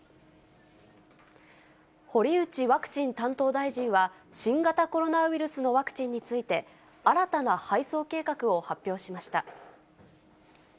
堀内ワクチン担当大臣は、新型コロナウイルスのワクチンについて、新たな配送計画を発表しました。